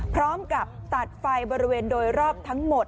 พร้อมกับตัดไฟบริเวณโดยรอบทั้งหมด